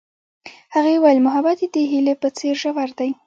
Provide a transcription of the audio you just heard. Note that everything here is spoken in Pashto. هغې وویل محبت یې د هیلې په څېر ژور دی.